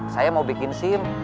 saya mau bikin sim